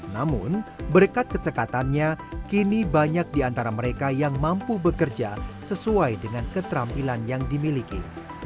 namun berkat kecekatannya kini banyak di antara mereka yang mampu bekerja sesuai dengan keterampilan yang dimiliki